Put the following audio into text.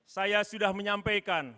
saya sudah menyampaikan